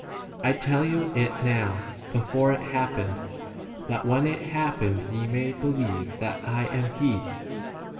19 I tell you [it] now 1 before it hap pens, that when it happens ye may 20 believe that I * am [he].